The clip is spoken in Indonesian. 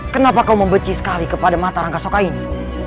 kenapa kau membeci sekali kepada mata rangga soka ini